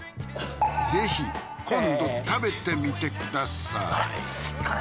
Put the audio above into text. ぜひ今度食べてみてくださいええ